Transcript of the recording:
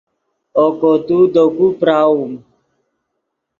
اوکو تو دے کو پراؤم